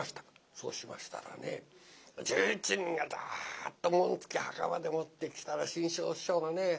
そうしましたらね１１人がダッと紋付き袴でもって来たら志ん生師匠がね